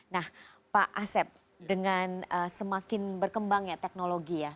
nah pak asep dengan semakin berkembang ya teknologi ya